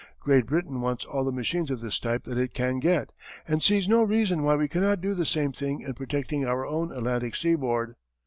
Great Britain wants all the machines of this type that it can get, and sees no reason why we cannot do the same thing in protecting our own Atlantic seaboard.